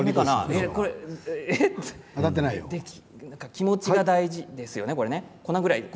気持ちが大事ですね。